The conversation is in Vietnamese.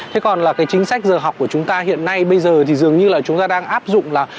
thế còn là cái chính sách giờ học của chúng ta hiện nay bây giờ thì dường như là chúng ta đang áp dụng là